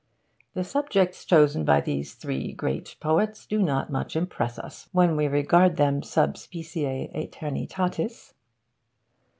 The subjects chosen by these three great poets do not much impress us when we regard them sub specie aeternitatis.